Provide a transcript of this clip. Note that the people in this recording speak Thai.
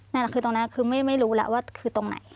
นั่นแหละคือตรงนั้นคือไม่รู้แล้วว่าคือตรงไหน